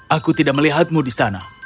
aku tidak melihatmu di sana